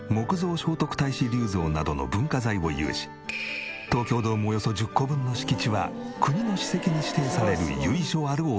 「お寺でオペラはしないか」などの文化財を有し東京ドームおよそ１０個分の敷地は国の史跡に指定される由緒あるお寺。